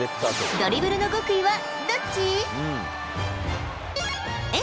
ドリブルの極意はどっち？